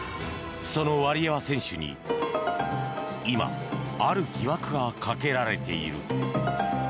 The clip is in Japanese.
そのワリエワ選手に今、ある疑惑がかけられている。